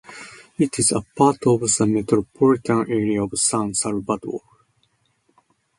It is apart of the Metropolitan Area of San Salvador.